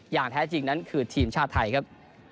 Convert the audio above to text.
อย่างแท้จริงนั้นคือทีมชาติไทยครับ